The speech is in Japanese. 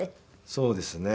そうですね。